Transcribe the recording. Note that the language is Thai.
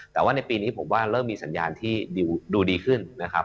แต่ว่าในปีนี้ผมว่าเริ่มมีสัญญาณที่ดูดีขึ้นนะครับ